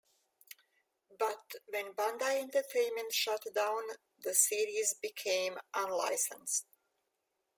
But, when Bandai Entertainment shut down, the series became unlicensed.